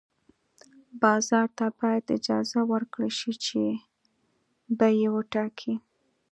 بازار ته باید اجازه ورکړل شي چې بیې وټاکي.